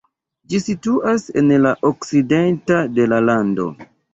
Ĝi situas en la okcidento de la lando.